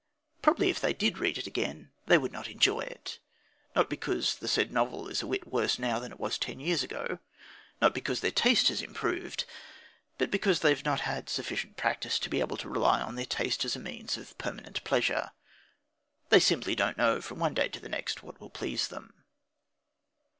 Probably if they did read it again they would not enjoy it not because the said novel is a whit worse now than it was ten years ago; not because their taste has improved but because they have not had sufficient practice to be able to rely on their taste as a means of permanent pleasure. They simply don't know from one day to the next what will please them.